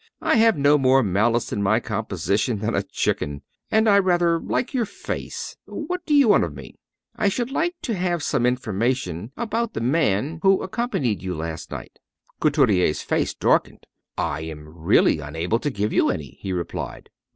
I have no more malice in my composition than a chicken; and I rather like your face. What do you want of me?" "I should like to have some information about the man who accompanied you last night." Couturier's face darkened. "I am really unable to give you any," he replied.